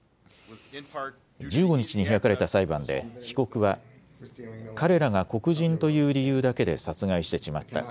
１５日に開かれた裁判で被告は彼らが黒人という理由だけで殺害してしまった。